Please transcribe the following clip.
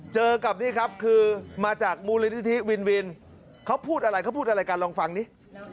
เจอกับนี่ครับคือมาจากมูลนิธิวินวินเขาพูดอะไรเขาพูดอะไรกันลองฟังนี่